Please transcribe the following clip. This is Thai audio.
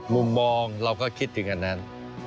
มุมมองเราก็คิดถึงอันนั้น